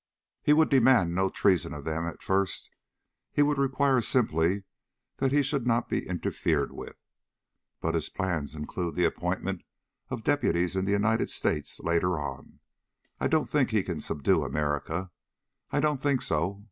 He would demand no treason of them at first. He would require simply that he should not be interfered with. But his plans include the appointment of deputies in the United States later on. I don't think he can subdue America. I don't think so.